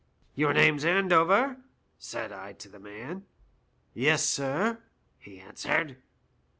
"' Your name's Andover ?' said I to the man. "* Yes, sir,' he answered.